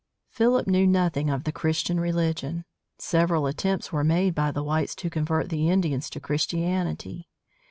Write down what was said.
Philip knew nothing of the Christian religion. Several attempts were made by the whites to convert the Indians to Christianity.